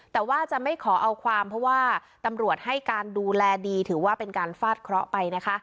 แต่ว่าจะไม่ขอเอาความเพราะว่าตำรวจให้การดูแลดีถือว่าเป็นการฟาดเคราะห์ไปนะคะ